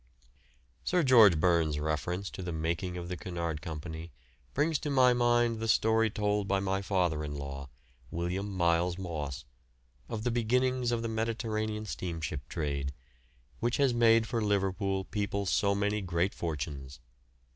Sir George Burns' reference to the making of the Cunard Company brings to my mind the story told by my father in law, William Miles Moss, of the beginnings of the Mediterranean steamship trade, which has made for Liverpool people so many great fortunes.